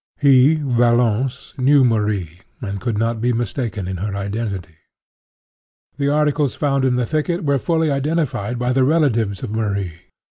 He, Valence, knew Marie, and could not be mistaken in her identity. The articles found in the thicket were fully identified by the relatives of Marie.